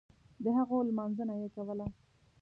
دهغو لمانځنه یې کوله.